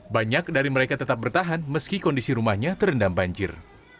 banyak dari mereka tetap bertahan meski kondisi rumahnya terendam banjir